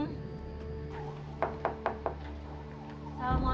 nih berjalan vaan